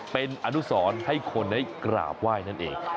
เป็นอนุสรให้คนได้กราบไหว้นั่นเอง